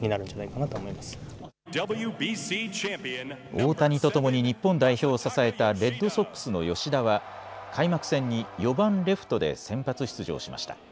大谷と共に日本代表を支えたレッドソックスの吉田は、開幕戦に４番レフトで先発出場しました。